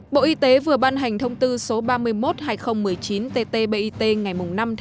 bộ y tế vừa ban hành thông tư số ba mươi một hai nghìn một mươi chín ttbit ngày năm một mươi hai hai nghìn một mươi chín